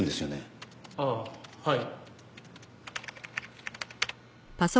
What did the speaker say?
ああはい。